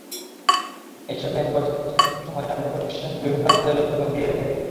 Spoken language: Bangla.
এসব ব্যাংক বছরের বিভিন্ন সময় তাঁদের প্রতিষ্ঠানে বিভিন্ন পদে লোক নিয়ে থাকে।